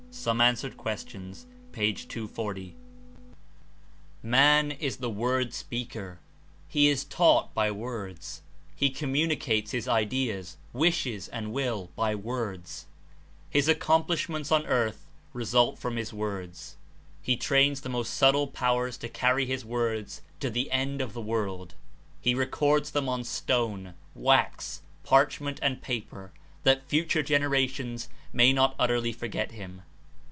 "Some An wered Questions" p. 240.) Man Is the word speaker. He Is taught by words; he communicates his Ideas, wishes and will, by words; his accomplishments on earth result from his words; he trains the most subtle powers to carry his words to the end of the world; he records them on stone, wax, parchment and paper that future generations may not utterly forget him.